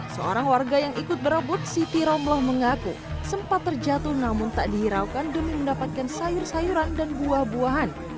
seorang warga yang ikut berebut siti romloh mengaku sempat terjatuh namun tak dihiraukan demi mendapatkan sayur sayuran dan buah buahan